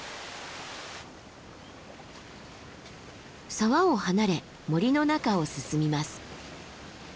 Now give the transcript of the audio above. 沢を離れ森の中を進みます。